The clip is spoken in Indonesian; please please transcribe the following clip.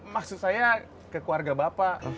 maksud saya ke keluarga bapak